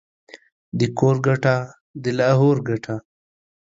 د کور گټه ، دلاهور گټه.